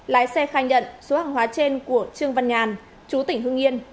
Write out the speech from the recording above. lái xe khai nhận số hàng hóa trên của trương văn nhàn chú tỉnh hương yên